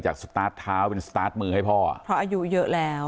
สตาร์ทเท้าเป็นสตาร์ทมือให้พ่ออ่ะเพราะอายุเยอะแล้ว